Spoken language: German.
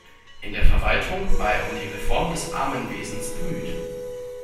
In der Verwaltung war er um die Reform des Armenwesens bemüht.